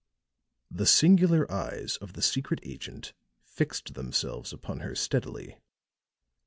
The singular eyes of the secret agent fixed themselves upon her steadily.